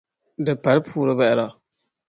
Di pali puuri bahira.